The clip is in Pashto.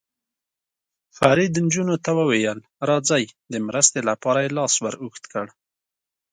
فرید نجونو ته وویل: راځئ، د مرستې لپاره یې لاس ور اوږد کړ.